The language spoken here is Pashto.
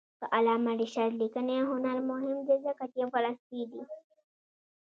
د علامه رشاد لیکنی هنر مهم دی ځکه چې فلسفي دی.